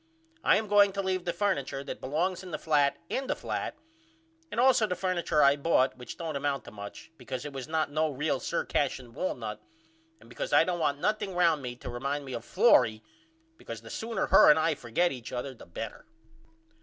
I am going to leave the furniture that belongs in the flat in the flat and allso the furniture I bought which don't amount to much because it was not no real Sir Cashion walnut and besides I don't want nothing round me to remind me of Florrie because the sooner her and I forget each other the better.